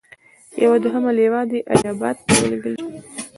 یوه دوهمه لواء دې اله اباد ته ولېږل شي.